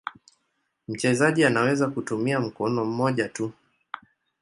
Mchezaji anaweza kutumia mkono mmoja tu.